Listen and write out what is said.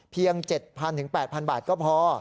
เพียง๗๐๐๐๘๐๐๐บาทก็พอ